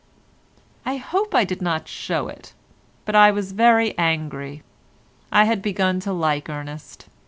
I hope I did not show it, but I was very angry. I had begun to like Ernest.